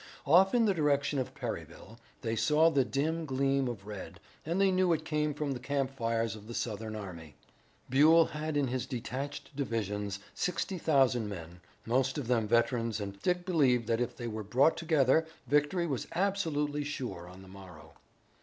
Off in the direction of Perryville they saw the dim gleam of red, and they knew it came from the camp fires of the Southern army. Buell had in his detached divisions sixty thousand men, most of them veterans and Dick believed that if they were brought together victory was absolutely sure on the morrow.